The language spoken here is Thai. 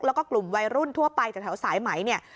แล้วก็กลุ่มวัยรุ่นทั่วไปจากแถวสายไหมเนี่ย